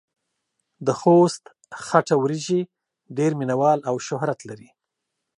دخوست خټه وريژې ډېر مينه وال او شهرت لري.